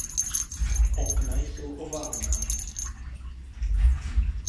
Okna jsou oválná.